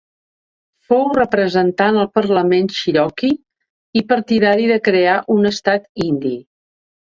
Fou representant al parlament cherokee i partidari de crear un Estat Indi.